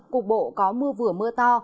cục bộ có mưa vừa mưa to